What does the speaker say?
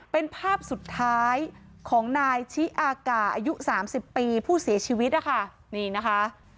เป็นภาพสุดท้ายของนายชิอากาอายุ๓๐ปีผู้เสียชีวิตนะคะนี่นะคะ